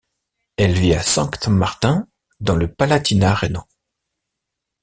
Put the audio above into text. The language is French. Elle vit à Sankt Martin dans le Palatinat rhénan.